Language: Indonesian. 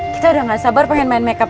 kita udah gak sabar pengen main make up